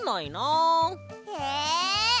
え。